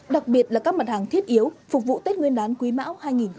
đặc biệt là các mặt hàng thiết yếu phục vụ tết nguyên đán quý mão hai nghìn hai mươi